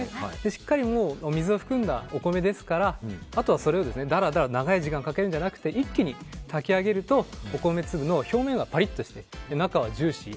しっかりお水を含んだお米ですからあとはだらだら長い時間をかけるんじゃなくて一気に炊き上げるとお米粒の表面がパリッとして中はジューシー。